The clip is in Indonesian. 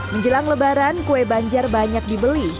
menjelang lebaran kue banjar banyak dibeli